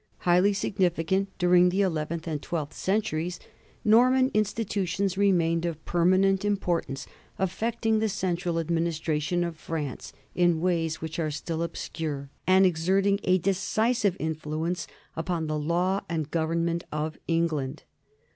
Highly significant during the eleventh and twelfth centuries, Norman institutions remained of permanent importance, affecting the central adminis tration of France in ways which are still obscure, and exerting a decisive influence upon the law and govern ment of England.